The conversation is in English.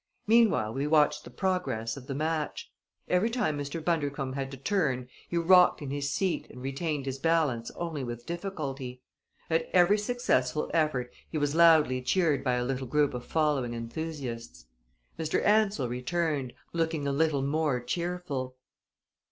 Meanwhile we watched the progress of the match. Every time Mr. Bundercombe had to turn he rocked in his seat and retained his balance only with difficulty. At every successful effort he was loudly cheered by a little group of following enthusiasts. Mr. Ansell returned, looking a little more cheerful.